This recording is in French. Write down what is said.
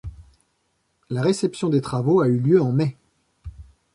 La réception des travaux a eu lieu en mai.